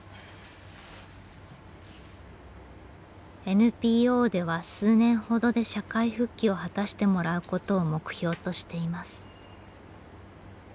ＮＰＯでは数年ほどで社会復帰を果たしてもらうことを目標としています。